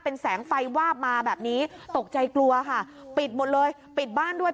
เป็นแสงไฟวาบมาแบบนี้ตกใจกลัวค่ะปิดหมดเลยปิดบ้านด้วย